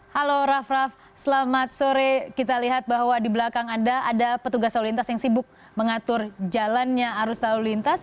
halo raff raff selamat sore kita lihat bahwa di belakang anda ada petugas lalu lintas yang sibuk mengatur jalannya arus lalu lintas